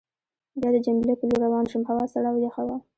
بیا د جميله په لور روان شوم، هوا سړه او یخه وه.